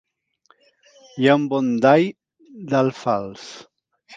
Hi ha un bon dall d'alfals.